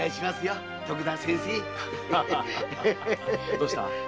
どうした？